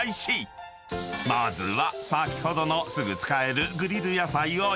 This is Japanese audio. ［まずは先ほどのすぐ使える］